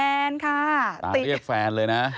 คุณตาเรียกแฟนเลยนะ